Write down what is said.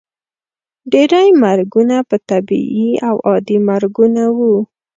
ډیری مرګونه به طبیعي او عادي مرګونه وو.